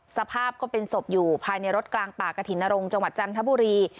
สภาพก็เป็นศพอยู่ภายในรถกลางป่ากระถิ่นนรงจังหวัดจันทบุรี